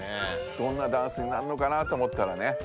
どんなダンスになるのかなと思ったらね